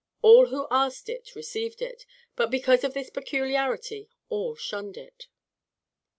All who asked it received it; but because of this peculiarity all shunned it.